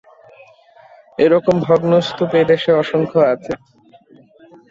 এরকম ভগ্নস্তূপ এ দেশে অসংখ্য আছে।